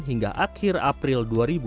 hingga akhir april dua ribu dua puluh